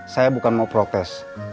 saya bukan mau protes